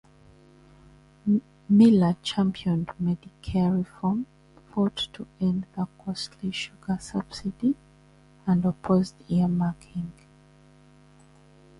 Miller championed Medicare reform, fought to end the costly sugar subsidy, and opposed earmarking.